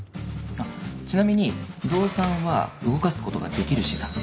あっちなみに動産は動かす事ができる資産。